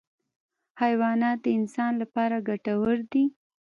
حیوانات د انسان لپاره ګټور دي.